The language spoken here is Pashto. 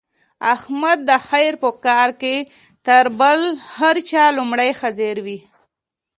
احمد د خیر په کار کې تر بل هر چا لومړی حاضر وي.